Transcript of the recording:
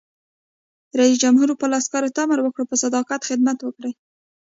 رئیس جمهور خپلو عسکرو ته امر وکړ؛ په صداقت خدمت وکړئ!